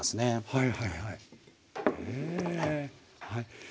はい。